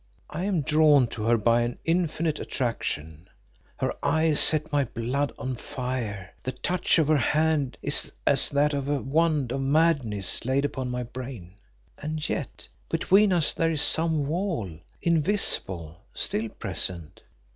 I am drawn to her by an infinite attraction, her eyes set my blood on fire, the touch of her hand is as that of a wand of madness laid upon my brain. And yet between us there is some wall, invisible, still present.